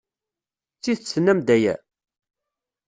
D tidet tennam-d aya?